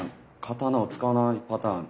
刀を使わないパターン。